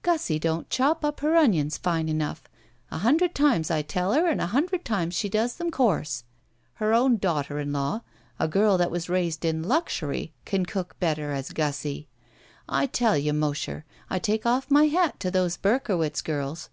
"Gussie don't chop up her onions fine enough. A htmdred times I tell her and a himdred times she does them coarse. Her own daughter in law, a girl that was raised in luxury, can cook better as Gussie. I tell you, Mosher, I take oflE my hat to those Berk owitz girls.